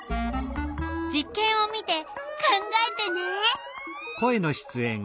実けんを見て考えてね！